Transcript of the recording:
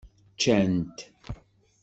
Ččant.